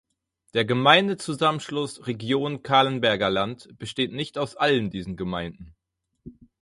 Der Gemeindezusammenschluss "Region Calenberger Land" besteht nicht aus allen diesen Gemeinden.